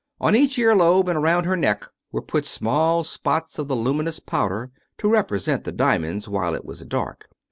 On each ear lobe and around her neck were put small spots of the luminous powder to represent the diamonds while it was dark.